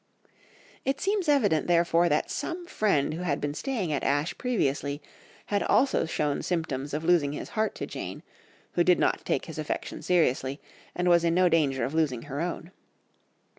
It seems evident, therefore, that some friend who had been staying at Ashe previously had also shown symptoms of losing his heart to Jane, who did not take his affection seriously, and was in no danger of losing her own.